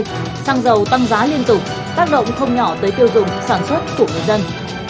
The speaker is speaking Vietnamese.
giá xăng dầu tăng giá liên tục tác động không nhỏ tới tiêu dụng sản xuất của người dân